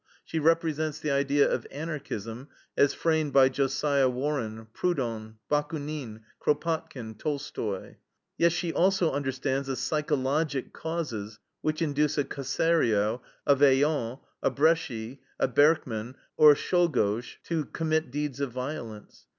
She represents the idea of Anarchism as framed by Josiah Warrn, Proudhon, Bakunin, Kropotkin, Tolstoy. Yet she also understands the psychologic causes which induce a Caserio, a Vaillant, a Bresci, a Berkman, or a Czolgosz to commit deeds of violence.